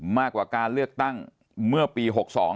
มากกว่าการเลือกตั้งเมื่อปี๖๒